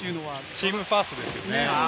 チームファーストですよね。